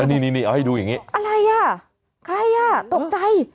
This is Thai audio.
นี่นี่เอาให้ดูอย่างนี้อะไรอ่ะใครอ่ะตกใจ